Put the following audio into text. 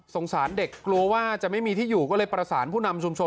สารเด็กกลัวว่าจะไม่มีที่อยู่ก็เลยประสานผู้นำชุมชน